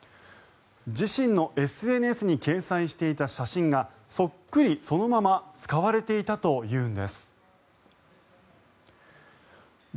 自身のＳＮＳに掲載していた写真がそっくりそのまま使われていたというんです。